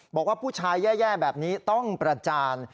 บอกว่าผู้ชายแย่แบบนี้ต้องประจาน